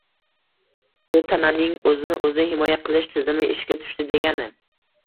Bu tananing o’zini o’zi himoya qilish tizimi ishga tushdi degani